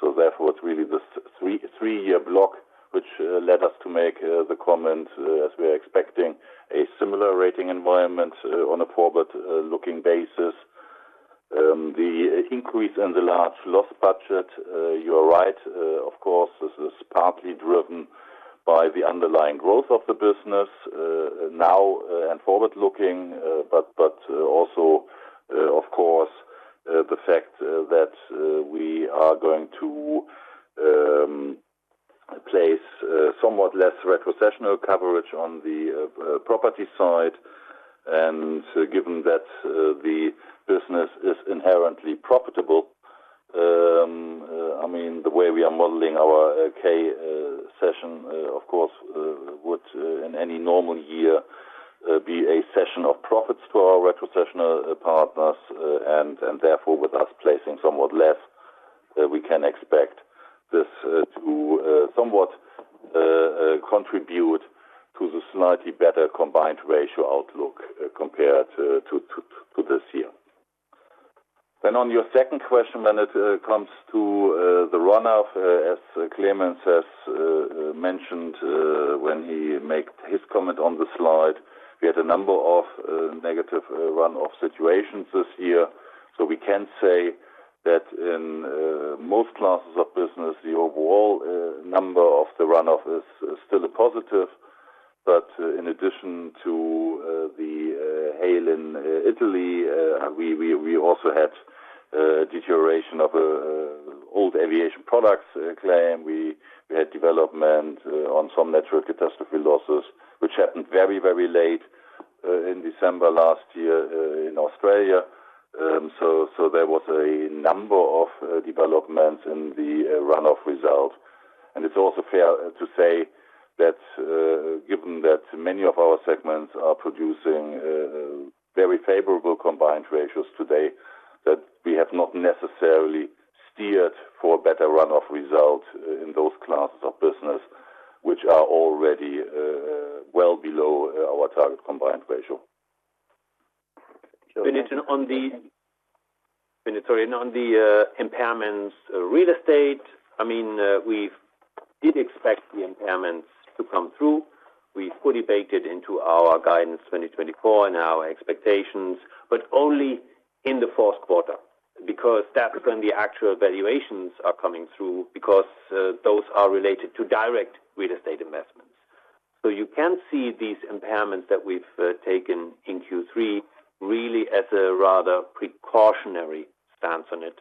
So therefore, it's really the three-year block, which led us to make the comment as we're expecting a similar rating environment on a forward-looking basis. The increase in the large loss budget, you're right, of course, this is partly driven by the underlying growth of the business now and forward-looking, but also, of course, the fact that we are going to place somewhat less retrocessional coverage on the property side. Given that the business is inherently profitable, I mean, the way we are modeling our K-Cession, of course, would in any normal year be a session of profits for our retrocessional partners. Therefore, with us placing somewhat less, we can expect this to somewhat contribute to the slightly better combined ratio outlook compared to this year. On your second question, when it comes to the runoff, as Clemens has mentioned when he made his comment on the slide, we had a number of negative runoff situations this year. So we can say that in most classes of business, the overall number of the runoff is still a positive. But in addition to the hail in Italy, we also had a deterioration of old aviation products claim. We had development on some nat cat catastrophe losses, which happened very, very late in December last year in Australia. There was a number of developments in the runoff result. It's also fair to say that given that many of our segments are producing very favorable combined ratios today, that we have not necessarily steered for a better runoff result in those classes of business, which are already well below our target combined ratio. Vinit, on the, on the impairments real estate, I mean, we did expect the impairments to come through. We fully baked it into our guidance 2024 and our expectations, but only in the fourth quarter because that's when the actual valuations are coming through because those are related to direct real estate investments. You can see these impairments that we've taken in Q3 really as a rather precautionary stance on it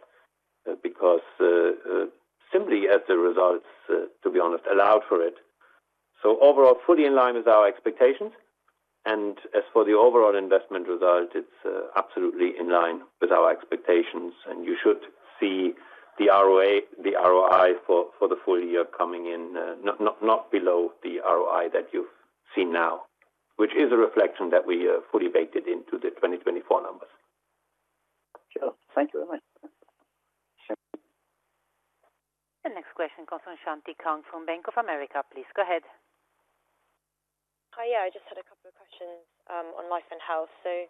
because simply as the results, to be honest, allowed for it. Overall, fully in line with our expectations. As for the overall investment result, it's absolutely in line with our expectations. You should see the ROI for the full year coming in not below the ROI that you've seen now, which is a reflection that we fully baked it into the 2024 numbers. Sure. Thank you very much. The next question comes from Shanti Kang from Bank of America. Please go ahead. Hi. Yeah. I just had a couple of questions on life and health. I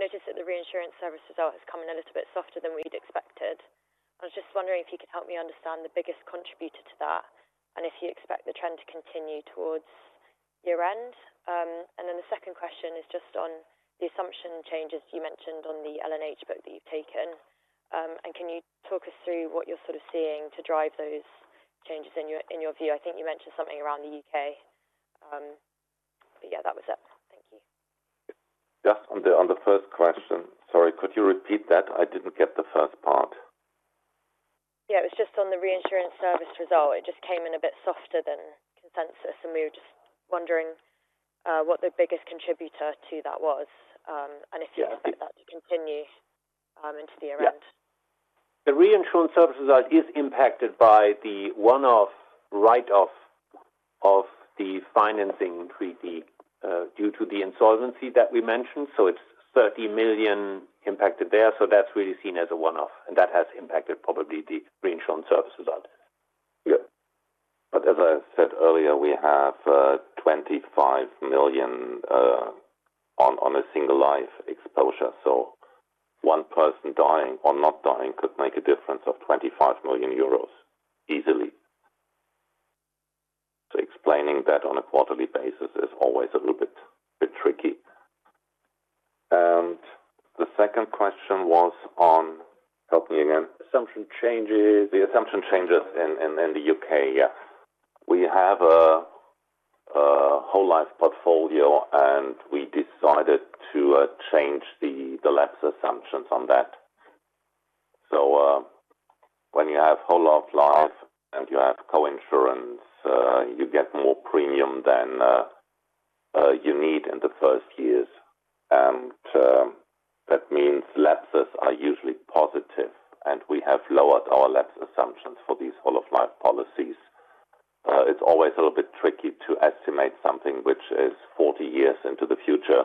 noticed that the reinsurance service result has come in a little bit softer than we'd expected. I was just wondering if you could help me understand the biggest contributor to that and if you expect the trend to continue towards year-end. Then the second question is just on the assumption changes you mentioned on the L&H book that you've taken. And can you talk us through what you're sort of seeing to drive those changes in your view? I think you mentioned something around the U.K. But yeah, that was it. Thank you. Yeah. On the first question, sorry, could you repeat that? I didn't get the first part. Yeah. It was just on the reinsurance service result. It just came in a bit softer than consensus. And we were just wondering what the biggest contributor to that was and if you expect that to continue into the year-end. The reinsurance service result is impacted by the one-off write-off of the financing treaty due to the insolvency that we mentioned. So it's 30 million impacted there. So that's really seen as a one-off. And that has impacted probably the reinsurance service result. Yeah. But as I said earlier, we have 25 million on a single life exposure. One person dying or not dying could make a difference of 25 million euros easily. Explaining that on a quarterly basis is always a little bit tricky. The second question was on, help me again. assumption changes. The assumption changes in the U.K. Yeah. We have a whole life portfolio, and we decided to change the lapse assumptions on that. When you have whole of life and you have coinsurance, you get more premium than you need in the first years. That means lapses are usually positive. We have lowered our lapse assumptions for these whole of life policies. It is always a little bit tricky to estimate something which is 40 years into the future.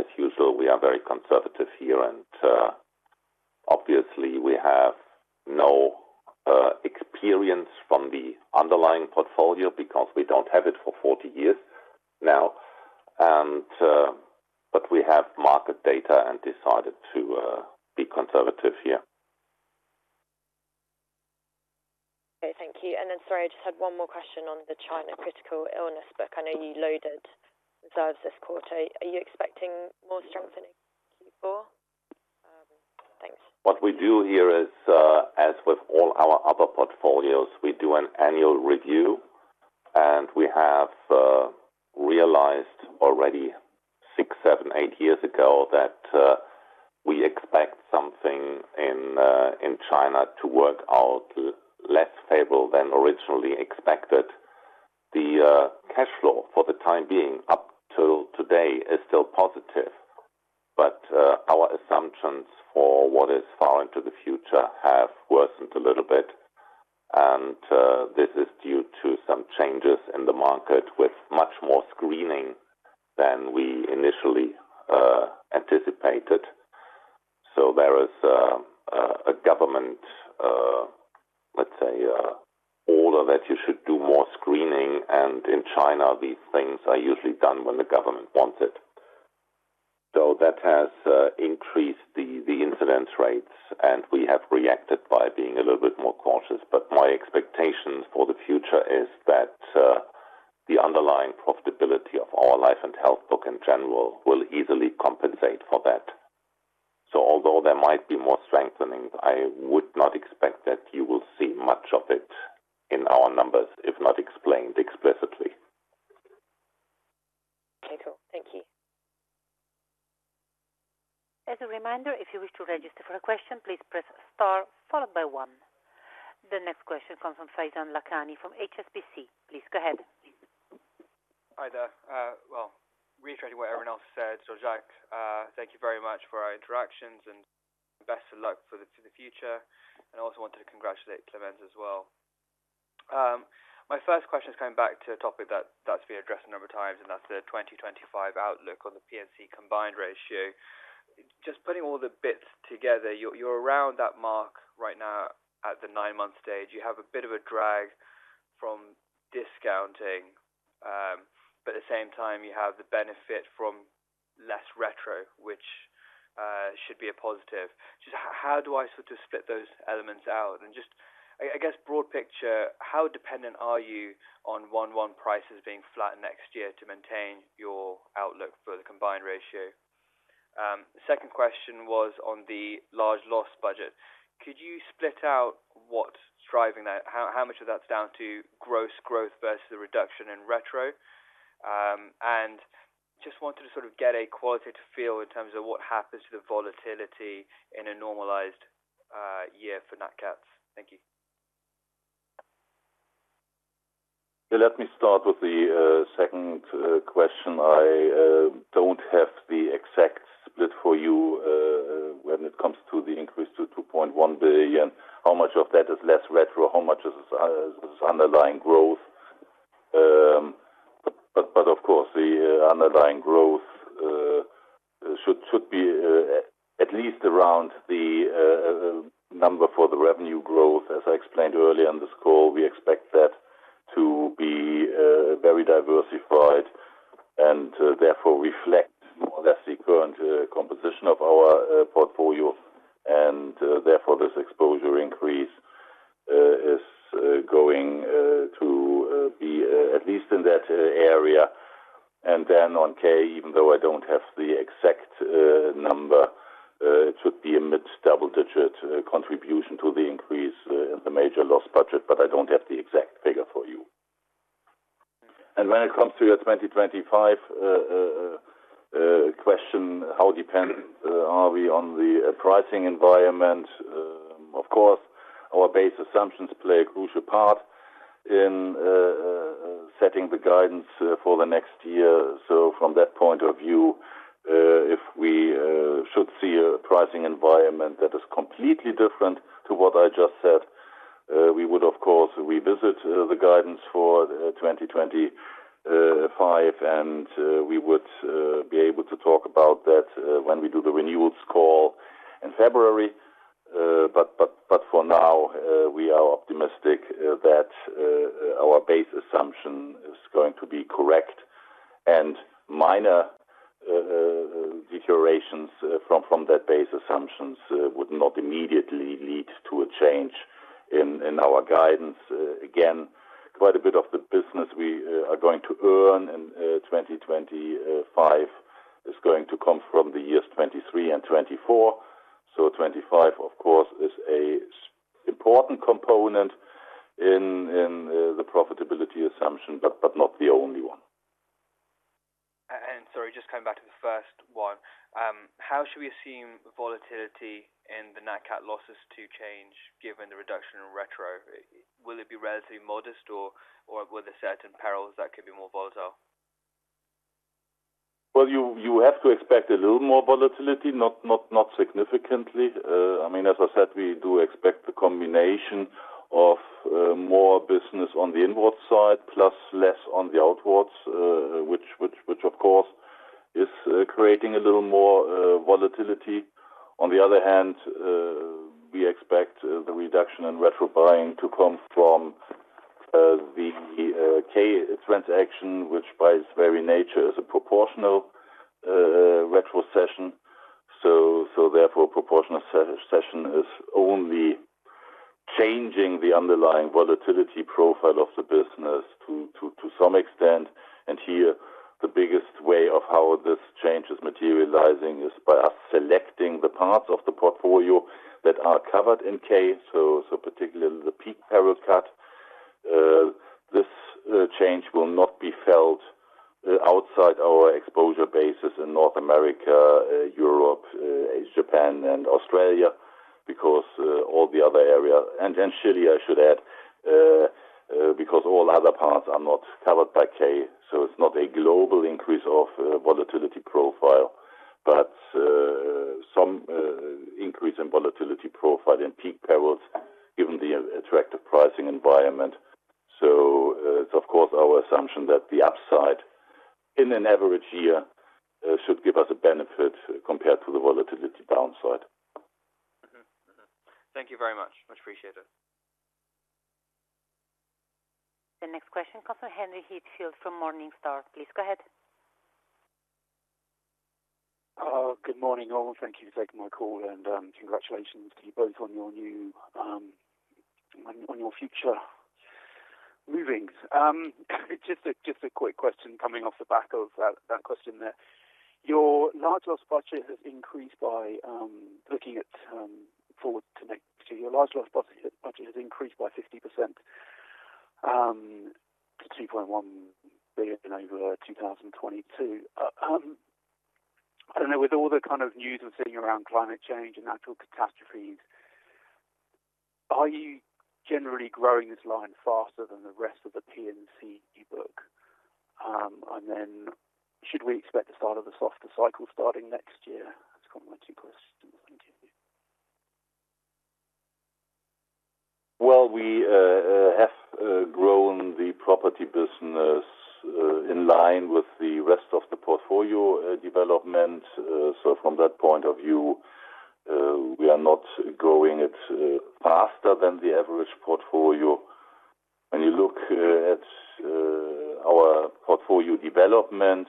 As usual, we are very conservative here. Obviously, we have no experience from the underlying portfolio because we do not have it for 40 years now. But we have market data and decided to be conservative here. Okay. Thank you. And then sorry, I just had one more question on the China critical illness book. I know you loaded reserves this quarter. Are you expecting more strengthening Q4? Thanks. What we do here is, as with all our other portfolios, we do an annual review. And we have realized already six, seven, eight years ago that we expect something in China to work out less favorable than originally expected. The cash flow for the time being up till today is still positive. But our assumptions for what is far into the future have worsened a little bit. And this is due to some changes in the market with much more screening than we initially anticipated. So there is a government, let's say, order that you should do more screening. In China, these things are usually done when the government wants it. So that has increased the incidence rates. And we have reacted by being a little bit more cautious. But my expectation for the future is that the underlying profitability of our life and health book in general will easily compensate for that. So although there might be more strengthening, I would not expect that you will see much of it in our numbers if not explained explicitly. Okay. Cool. Thank you. As a reminder, if you wish to register for a question, please press star followed by one. The next question comes from Faizan Lakhani from HSBC. Please go ahead. Hi there. Well, reiterating what everyone else said. So Jean-Jacques, thank you very much for our interactions and best of luck for the future. And I also wanted to congratulate Clemens as well. My first question is coming back to a topic that's been addressed a number of times, and that's the 2025 outlook on the P&C combined ratio. Just putting all the bits together, you're around that mark right now at the nine-month stage. You have a bit of a drag from discounting. But at the same time, you have the benefit from less retro, which should be a positive. Just how do I sort of split those elements out? And just, I guess, broad picture, how dependent are you on 1/1 prices being flat next year to maintain your outlook for the combined ratio? Second question was on the large loss budget. Could you split out what's driving that? How much of that's down to gross growth versus the reduction in retro? I just wanted to sort of get a qualitative feel in terms of what happens to the volatility in a normalized year for NatCats. Thank you. Yeah. Let me start with the second question. I don't have the exact split for you when it comes to the increase to 2.1 billion. How much of that is less retro? How much is underlying growth? But of course, the underlying growth should be at least around the number for the revenue growth. As I explained earlier on this call, we expect that to be very diversified and therefore reflect more or less the current composition of our portfolio. Therefore, this exposure increase is going to be at least in that area. And then on K-Cession, even though I don't have the exact number, it should be a mid-double-digit contribution to the increase in the major loss budget. I don't have the exact figure for you. When it comes to your 2025 question, how dependent are we on the pricing environment? Of course, our base assumptions play a crucial part in setting the guidance for the next year. From that point of view, if we should see a pricing environment that is completely different to what I just said, we would, of course, revisit the guidance for 2025. We would be able to talk about that when we do the renewals call in February. For now, we are optimistic that our base assumption is going to be correct. Minor deteriorations from that base assumptions would not immediately lead to a change in our guidance. Again, quite a bit of the business we are going to earn in 2025 is going to come from the years 2023 and 2024. 2025, of course, is an important component in the profitability assumption, but not the only one. Sorry, just coming back to the first one. How should we assume volatility in the NatCat losses to change given the reduction in retro? Will it be relatively modest, or will there be certain perils that could be more volatile? Well, you have to expect a little more volatility, not significantly. I mean, as I said, we do expect the combination of more business on the inward side plus less on the outwards, which, of course, is creating a little more volatility. On the other hand, we expect the reduction in retro buying to come from the K-Cession, which by its very nature is a proportional retrocession. So therefore, a proportional cession is only changing the underlying volatility profile of the business to some extent. Here, the biggest way of how this change is materializing is by us selecting the parts of the portfolio that are covered in K, so particularly the peak peril cat. This change will not be felt outside our exposure bases in North America, Europe, Japan, and Australia because all the other areas and Chile, I should add, because all other parts are not covered by K. So it's not a global increase of volatility profile, but some increase in volatility profile in peak perils given the attractive pricing environment. So it's, of course, our assumption that the upside in an average year should give us a benefit compared to the volatility downside. Thank you very much. Much appreciated. The next question comes from Henry Heathfield from Morningstar. Please go ahead. Good morning all. Thank you for taking my call. Congratulations to you both on your future moves. Just a quick question coming off the back of that question there. Your large loss budget has increased by 50% to 2.1 billion over 2022. I don't know. With all the kind of news we're seeing around climate change and natural catastrophes, are you generally growing this line faster than the rest of the P&C book? And then should we expect the start of the softer cycle starting next year? That's kind of my two questions. Thank you. Well, we have grown the property business in line with the rest of the portfolio development. So from that point of view, we are not growing it faster than the average portfolio. When you look at our portfolio development,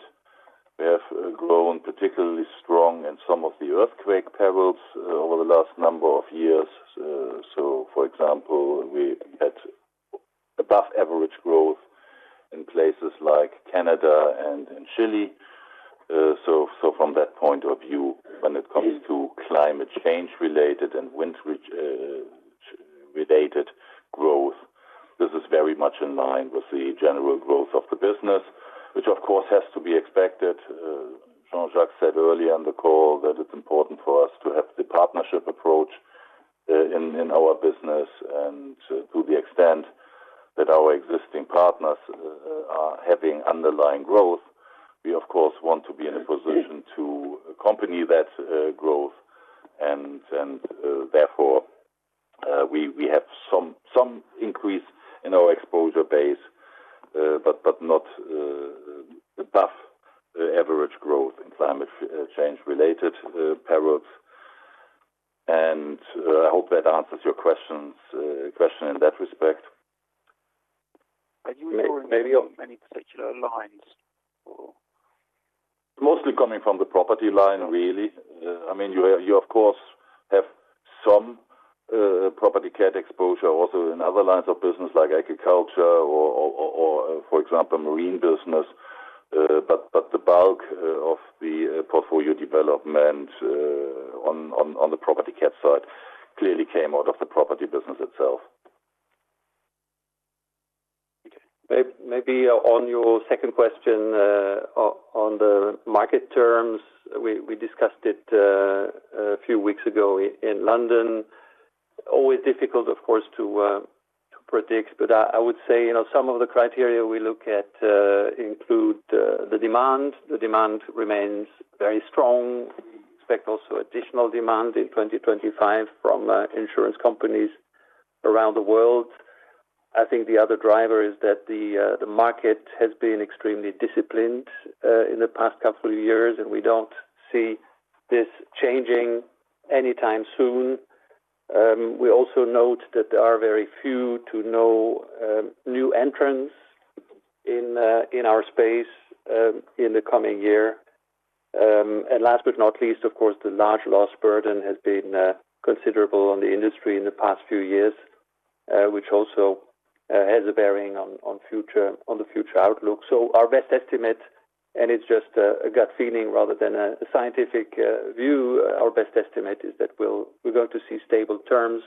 we have grown particularly strong in some of the earthquake perils over the last number of years. For example, we had above-average growth in places like Canada and Chile. From that point of view, when it comes to climate change-related and wind-related growth, this is very much in line with the general growth of the business, which, of course, has to be expected. Jean-Jacques said earlier on the call that it's important for us to have the partnership approach in our business. To the extent that our existing partners are having underlying growth, we, of course, want to be in a position to accompany that growth. Therefore, we have some increase in our exposure base, but not above-average growth in climate change-related perils. I hope that answers your question in that respect. (crosstalk) Mostly coming from the property line, really. I mean, you, of course, have some property cat exposure also in other lines of business like agriculture or, for example, marine business. But the bulk of the portfolio development on the property cat side clearly came out of the property business itself. Okay. Maybe on your second question on the market terms, we discussed it a few weeks ago in London. Always difficult, of course, to predict. But I would say some of the criteria we look at include the demand. The demand remains very strong. We expect also additional demand in 2025 from insurance companies around the world. I think the other driver is that the market has been extremely disciplined in the past couple of years, and we don't see this changing anytime soon. We also note that there are very few to no new entrants in our space in the coming year. And last but not least, of course, the large loss burden has been considerable on the industry in the past few years, which also has a bearing on the future outlook. So our best estimate, and it's just a gut feeling rather than a scientific view, our best estimate is that we're going to see stable terms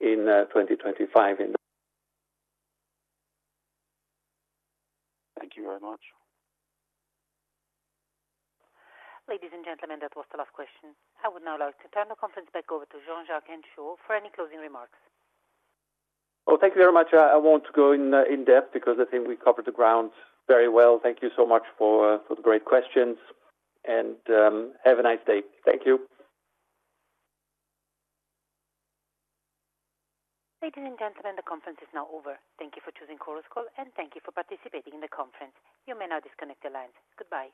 in 2025. Thank you very much. Ladies and gentlemen, that was the last question. I would now like to turn the conference back over to Jean-Jacques and Shaw for any closing remarks. Well, thank you very much. I won't go in depth because I think we covered the ground very well. Thank you so much for the great questions. And have a nice day. Thank you. Ladies and gentlemen, the conference is now over. Thank you for choosing Chorus Call, and thank you for participating in the conference. You may now disconnect the lines. Goodbye.